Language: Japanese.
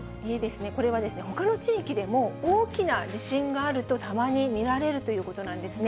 これはですね、ほかの地域でも大きな地震があるとたまに見られるということなんですね。